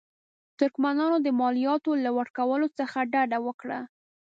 ترکمنانو د مالیاتو له ورکولو څخه ډډه وکړه.